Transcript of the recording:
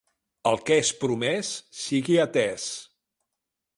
El que és promès sigui atès.